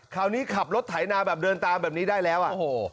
คราวนี้ขับรถไถนาแบบเดินตามแบบนี้ได้แล้วอ่ะโอ้โห